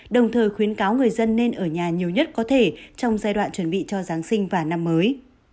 đồng thời khuyến cáo người dân nên ở nhà nhiều nhất có thể trong giai đoạn chuẩn bị cho giáng sinh và năm mới